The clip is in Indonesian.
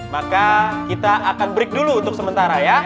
maka kita akan break dulu untuk sementara ya